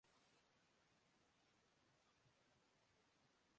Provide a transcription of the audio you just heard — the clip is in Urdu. یہ اسی دور کا ثمر ہے۔